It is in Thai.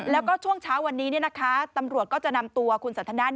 แล้วก็ช่วงเช้าวันนี้ตำรวจก็จะนำตัวคุณสันทนา